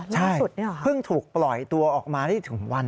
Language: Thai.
ล่าสุดเพิ่งถูกปล่อยตัวออกมาได้ถึงวัน